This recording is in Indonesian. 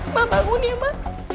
ma bangun ya ma